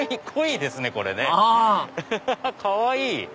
かわいい！